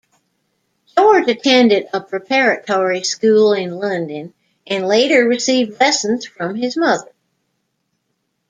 George attended a preparatory school in London, and later received lessons from his mother.